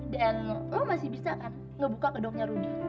dan lo masih bisa kan ngebuka gedungnya rudy